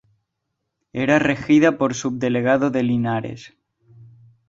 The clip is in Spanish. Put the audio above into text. Era regida por Subdelegado de Linares.